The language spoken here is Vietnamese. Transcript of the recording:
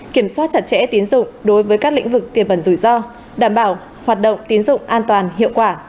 kiểm soát chặt chẽ tiến dụng đối với các lĩnh vực tiền bẩn rủi ro đảm bảo hoạt động tiến dụng an toàn hiệu quả